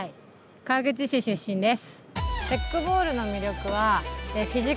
川口市出身です。